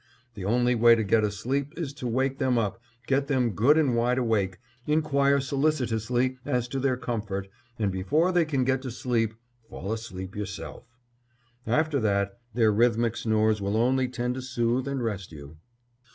The only way to get asleep is to wake them up, get them good and wide awake, inquire solicitously as to their comfort, and before they can get to sleep fall asleep yourself. After that, their rhythmic snores will only tend to soothe and rest you.